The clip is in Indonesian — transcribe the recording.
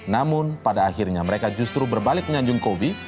namun pada akhirnya mereka justru berbalik menganjung kobe